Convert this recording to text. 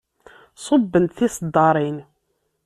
Ṣubbent tiseddaṛin.